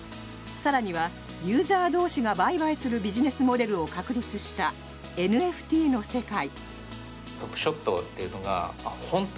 更には、ユーザー同士が売買するビジネスモデルを確立した、ＮＦＴの世界。